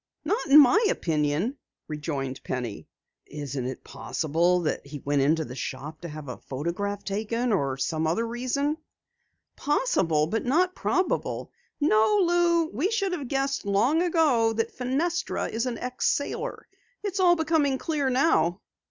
"Not in my opinion," rejoined Penny. "Isn't it possible that he went into the shop to have a photograph taken, or for some other reason?" "Possible but not probable. No, Lou, we should have guessed long ago that Fenestra is an ex sailor. It's all becoming clear now."